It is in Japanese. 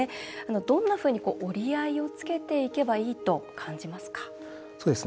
どんなふうに折り合いをつけていけばいいと感じますか？